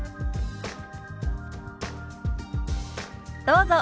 どうぞ。